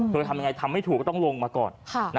เธอทำยังไงทำไม่ถูกก็ต้องลงมาก่อน